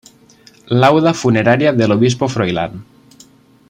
Lauda funeraria del obispo Froilán.